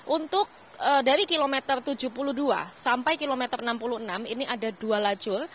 untuk dari kilometer tujuh puluh dua sampai kilometer enam puluh enam ini ada dua lajur